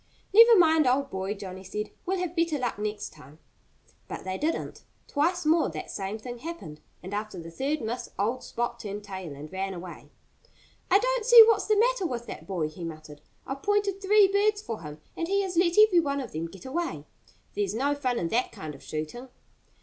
"Never mind, old boy!" Johnnie said. "We'll have better luck next time!" But they didn't. Twice more that same thing happened. And after the third miss old Sport turned tail and ran away. "I don't see what's the matter with that boy," he muttered. "I've pointed three birds for him. And he has let every one of them get away.... There's no fun in that kind of shooting."